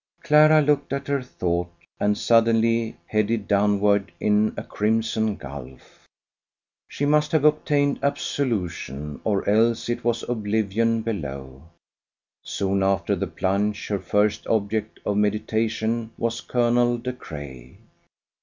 Clara looked at her thought, and suddenly headed downward in a crimson gulf. She must have obtained absolution, or else it was oblivion, below. Soon after the plunge her first object of meditation was Colonel De Craye.